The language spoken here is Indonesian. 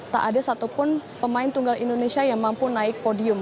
tak ada satupun pemain tunggal indonesia yang mampu naik podium